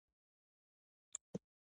دا عجیب ماشوم په شپه له ورځ زیاته وده کوي.